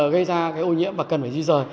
gây ra cái ô nhiễm mà cần phải di rời